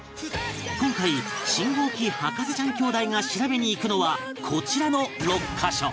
今回信号機博士ちゃん兄弟が調べに行くのはこちらの６カ所